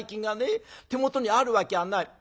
手元にあるわきゃない。